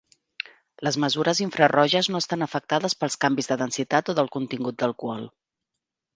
Les mesures infraroges no estan afectades pels canvis de densitat o del contingut d'alcohol.